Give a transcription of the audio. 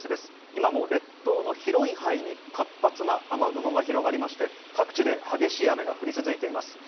今も列島の広い範囲に活発な雨雲が広がりまして、各地で激しい雨が降り続いています。